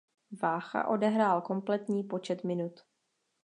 Vácha odehrál kompletní počet minut.